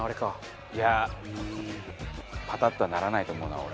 いやパタッとはならないと思うな俺。